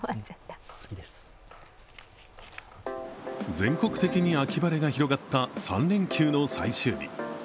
全国的に秋晴れが広がった３連休の最終日。